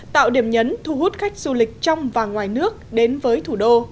tạo điểm nhấn thu hút khách du lịch trong và ngoài nước đến với thủ đô